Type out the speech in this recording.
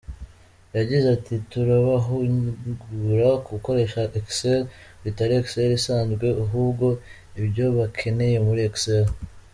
Yagize ati “Turabahugura ku gukoresha Excel, bitari Excel isanzwe ahubwo ibyo bakeneye muri Excel.